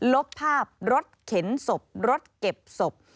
ลบภาพรถเข็นศพรถเก็บศพ